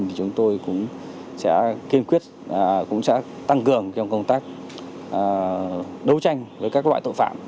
thì chúng tôi cũng sẽ kiên quyết cũng sẽ tăng cường trong công tác đấu tranh với các loại tội phạm